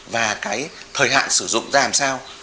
và cái thời hạn sử dụng ra làm sao